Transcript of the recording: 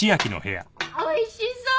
おいしそう！